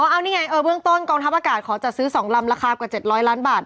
เอานี่ไงเออเบื้องต้นกองทัพอากาศขอจัดซื้อ๒ลำราคากว่า๗๐๐ล้านบาท